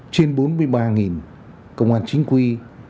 trên bốn mươi ba công an chính quy